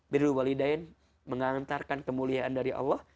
biru walidain mengantarkan kemuliaan dari allah